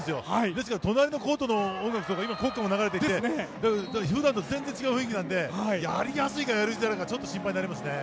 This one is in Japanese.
ですから隣のコートの音楽とか今、国歌も流れてきてふだんと全然違う雰囲気なのでやりやすいか、やりづらいかちょっと心配になりますね。